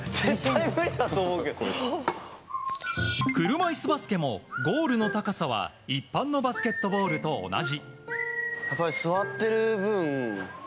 車いすバスケもゴールの高さは一般のバスケットボールと同じ。